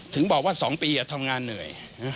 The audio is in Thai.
ถึงบอกว่า๒ปีทำงานเหนื่อย